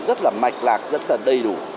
rất là mạch lạc rất là đầy đủ